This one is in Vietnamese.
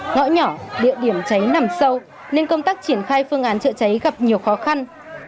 ngõ nhỏ địa điểm cháy nằm sâu nên công tác triển khai phương án chữa cháy gặp nhiều khó khăn